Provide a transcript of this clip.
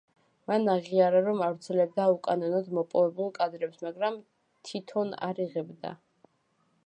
მან აღიარა, რომ ავრცელებდა უკანონოდ მოპოვებულ კადრებს, მაგრამ თითონ არ იღებდა.